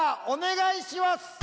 お願いします。